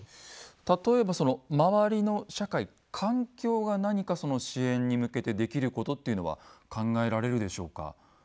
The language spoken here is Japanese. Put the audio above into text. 例えば周りの社会環境が何か支援に向けてできることっていうのは考えられるでしょうか？